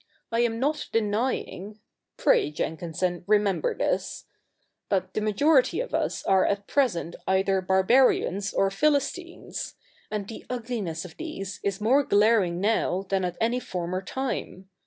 I am not denying (pray, Jenkinson, remember this) that the majority of us are at present either Barbarians or Philistines : and the ugliness of these is more glaring now than at any former time.